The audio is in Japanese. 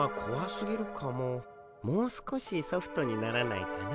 もう少しソフトにならないかな。